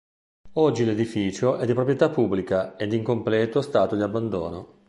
Oggi l'edificio è di proprietà pubblica ed in completo stato di abbandono.